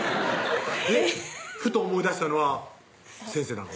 ふと思い出したのは先生なの？